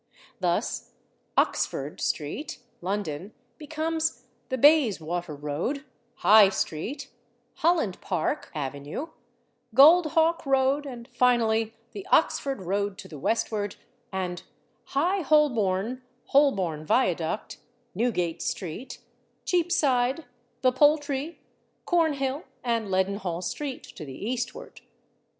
Thus, /Oxford/ street, London, becomes the /Bayswater/ road, /High/ street, /Holland Park/ avenue, /Goldhawke/ road and finally the /Oxford/ road to the westward, and /High Holborn/, /Holborn/ viaduct, /Newgate/ street, /Cheapside/, the /Poultry/, /Cornhill/ and /Leadenhall/ street to the eastward.